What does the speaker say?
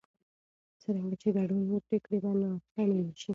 څرنګه چې ګډون وي، پرېکړې به ناسمې نه شي.